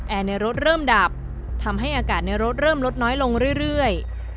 ในรถเริ่มดับทำให้อากาศในรถเริ่มลดน้อยลงเรื่อย